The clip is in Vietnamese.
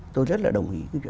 tôi rất là đồng ý